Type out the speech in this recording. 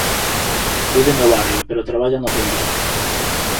Vive no barrio, pero traballa no centro.